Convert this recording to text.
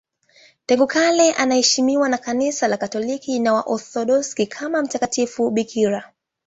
Tangu kale anaheshimiwa na Kanisa Katoliki na Waorthodoksi kama mtakatifu bikira.